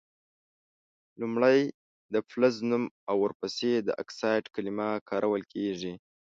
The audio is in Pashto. لومړۍ د فلز نوم او ور پسي د اکسایډ کلمه کارول کیږي.